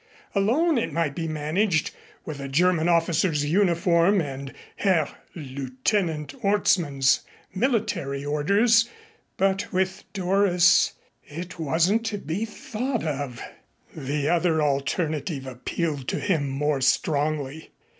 Alone it might be managed, with a German officer's uniform and Herr Lieutenant Orstmann's military orders, but with Doris it wasn't to be thought of. The other alternative appealed to him more strongly.